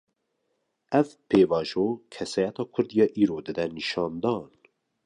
Ev pêvajo, kesayeta Kurd ya îro dide nîşandan